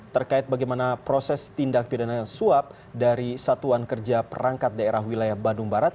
terkait bagaimana proses tindak pidana suap dari satuan kerja perangkat daerah wilayah bandung barat